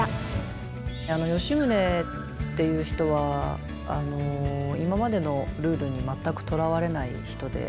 吉宗っていう人は今までのルールに全くとらわれない人で。